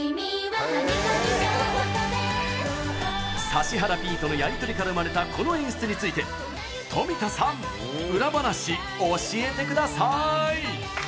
指原Ｐとのやりとりから生まれた、この演出について冨田さん、裏話教えてください！